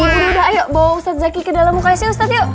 udah udah ayo bawa ustadz zaky ke dalam mukanya sih ustadz yuk